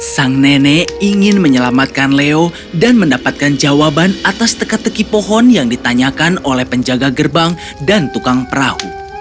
sang nenek ingin menyelamatkan leo dan mendapatkan jawaban atas teka teki pohon yang ditanyakan oleh penjaga gerbang dan tukang perahu